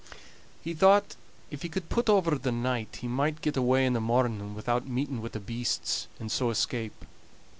He thought, if he could put over the night, he might get away in the morning without meeting wi' the beasts, and so escape.